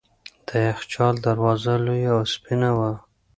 د یخچال دروازه لویه او سپینه وه.